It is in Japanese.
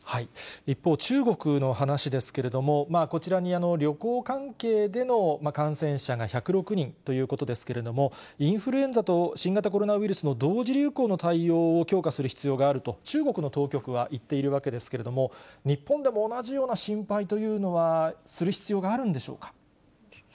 一方、中国の話ですけれども、こちらに旅行関係での感染者が１０６人ということですけれども、インフルエンザと新型コロナウイルスの同時流行の対応を強化する必要があると、中国の当局は言っているわけですけれども、日本でも同じような心配というのは、する必要があるんでしょうか。